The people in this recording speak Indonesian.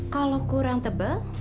kalau kurang tebal